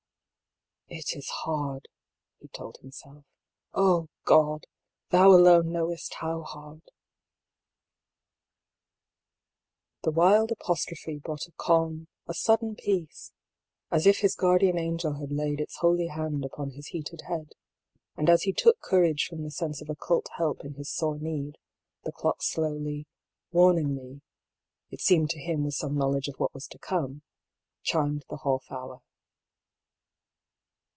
" It is hard," he told himself. " Oh, God ! Thou alone knowest how hard !" The wild apostrophe brought a calm, a sudden peace — as if indeed his guardian angel had laid its holy hand upon his heated head ; and a« he took courage from the sense of occult help in his sore need, the clock slowly, warningly — it seemed to him with some knowledge of what was to come — chimed the half hour.